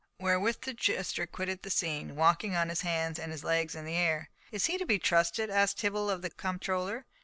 Wherewith the jester quitted the scene, walking on his hands, with his legs in the air. "Is he to be trusted?" asked Tibble of the comptroller.